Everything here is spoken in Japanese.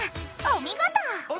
お見事！